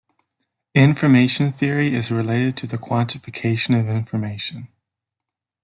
Information theory is related to the quantification of information.